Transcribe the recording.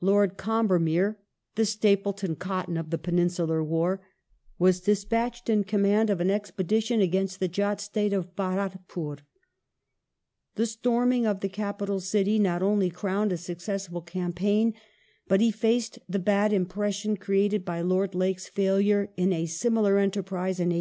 264 GROWTH OF THE BRITISH POWER IN INDIA [mo CaptureofCombermere (the Stapleton Cotton of the Peninsular War) was ^^^"^ despatched in command of an expedition against the Jat state of Bhartpur. The storming of the capital city not only crowned a successful campaign but effaced the bad impression created by Lord Lake's failure in a similar enterprise in 1805.